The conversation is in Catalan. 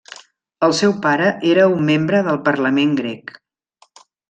El seu pare era un membre del Parlament grec.